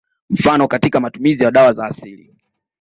Mfano katika matumizi ya dawa za asili